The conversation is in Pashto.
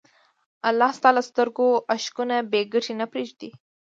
الله ستا له سترګو اشکونه بېګټې نه پرېږدي.